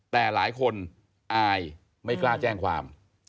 แต่หลายคนอายไม่กล้าแจ้งความ